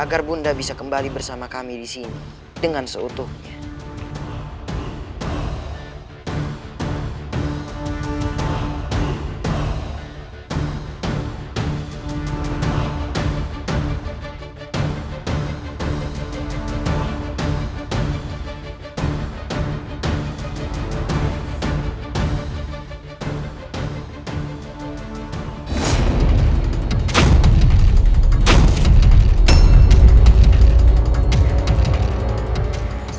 agar bunda bisa kembali bersama kami disini dengan seutuhnya